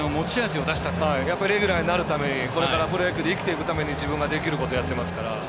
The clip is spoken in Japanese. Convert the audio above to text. やっぱりレギュラーになるためにこれからプロ野球で生きていくために自分ができることをやっていますから。